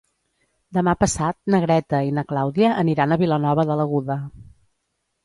Demà passat na Greta i na Clàudia aniran a Vilanova de l'Aguda.